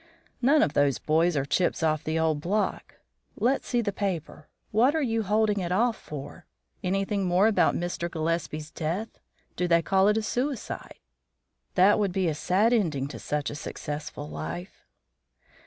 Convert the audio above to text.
None of those boys are chips of the old block. Let's see the paper. What are you holding it off for? Anything more about Mr. Gillespie's death? Do they call it suicide? That would be a sad ending to such a successful life."